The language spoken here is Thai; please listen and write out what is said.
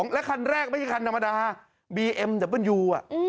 และคันแรกไม่ใช่คันธรรมดาบีเอ็มแต่เป็นยู